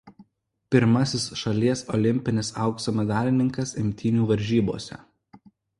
Pirmasis šalies olimpinis aukso medalininkas imtynių varžybose.